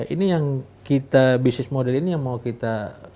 ini yang kita bisnis model ini yang mau kita